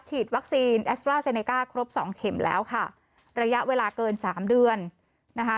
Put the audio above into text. ฉีดวัคซีนแอสตราเซเนก้าครบสองเข็มแล้วค่ะระยะเวลาเกินสามเดือนนะคะ